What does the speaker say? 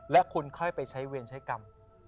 และคุณค่อยไปใช้เวรใช้กรรม